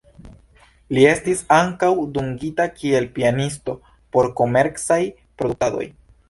Li estis ankaŭ dungita kiel pianisto por komercaj produktadoj.